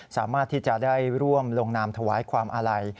สามารถที่จะได้ร่วมลงนามถวายความอาลัย